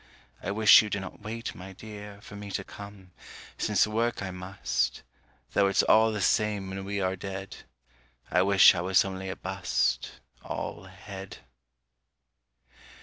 I wish you did not wait, my dear, For me to come: since work I must: Though it's all the same when we are dead. I wish I was only a bust, All head.